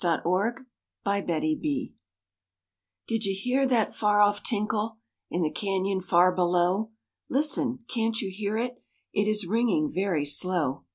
*THE PACK TRAIN* Did you hear that far off tinkle In the canyon far below? Listen! can't you hear it? It is ringing very slow.